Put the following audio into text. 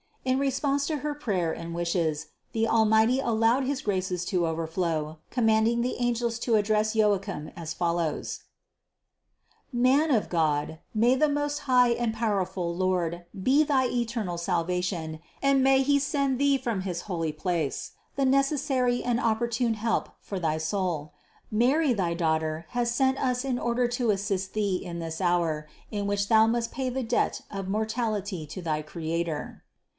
In response to her prayer and wishes the Al mighty allowed his graces to overflow, commanding the angels to address Joachim as follows: 669. "Man of God, may the Most High and powerful Lord be thy eternal salvation and may he send thee from his holy place the necessary and opportune help for thy soul. Mary thy Daughter has sent us in order to assist thee in this hour, in which thou must pay the debt of mortality to thy Creator.